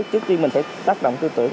trước tiên mình phải tác động tư tưởng